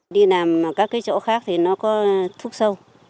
đi làm ở các cái chỗ khác thì nó có thuốc sâu